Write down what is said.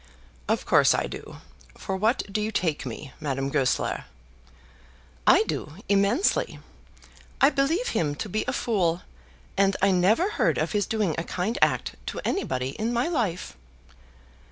"Of course I do. For what do you take me, Madame Goesler?" "I do, immensely. I believe him to be a fool, and I never heard of his doing a kind act to anybody in my life."